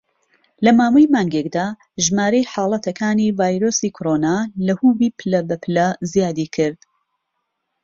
لە ماوەی مانگێکدا، ژمارەی حاڵەتەکانی ڤایرۆسی کۆرۆنا لە هوبی پلە بە پلە زیادی کرد.